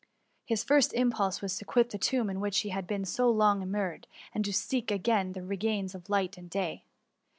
His first impulse was to quit the tomb in which he had been so long immured, and seek again the re gions of light and day.